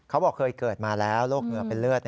เขาบอกเคยเกิดมาแล้วโรคเหงื่อเป็นเลือด